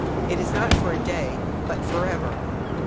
It is not for a day, but for ever.